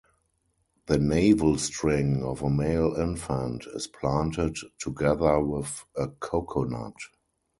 The navel-string of a male infant is planted together with a coconut.